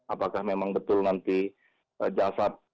apakah memang betul nanti jasad